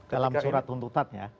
dalam surat tuntutan ya